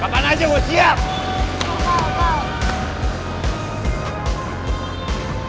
kapan aja gue siap